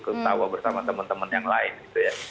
ketawa bersama temen temen yang lain gitu ya